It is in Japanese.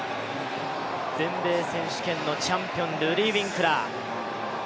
全米選手権のチャンピオンルディー・ウィンクラー。